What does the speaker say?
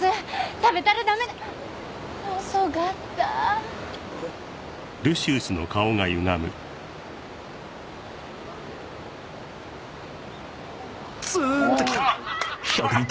食べたらダメだ遅がったあツーンときた！